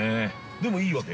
でもいいわけ？